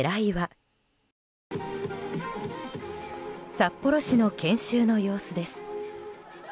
札幌市の研修の様子です。